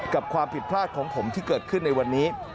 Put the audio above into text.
กับความผิดพลาดของผมที่เกิดขึ้นในวันนี้